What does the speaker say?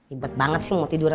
ibat banget sih mau tidur